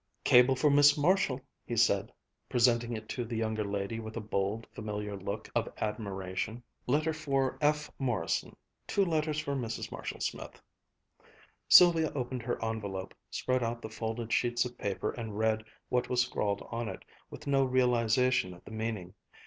"Cable for Miss Marshall," he said, presenting it to the younger lady with a bold, familiar look of admiration. "Letter for F. Morrison: two letters for Mrs. Marshall Smith." Sylvia opened her envelope, spread out the folded sheet of paper, and read what was scrawled on it, with no realization of the meaning.